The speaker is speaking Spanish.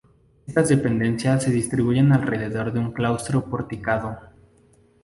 Estas dependencias se distribuyen alrededor de un claustro porticado.